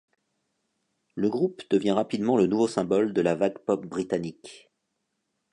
Le groupe devient rapidement le nouveau symbole de la vague Pop britannique.